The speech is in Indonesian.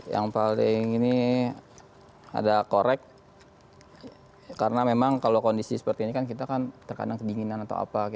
yang paling ini ada korek karena memang kalau kondisi seperti ini kan kita kan terkadang kedinginan atau apa